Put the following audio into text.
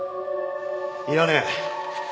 いらねえ。